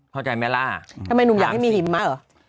ทำไมนุ่งอยากให้มีหิมะอ่ะ